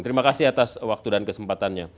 terima kasih atas waktu dan kesempatannya